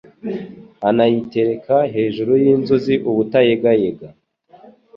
anayitereka hejuru y’inzuzi ubutayegayega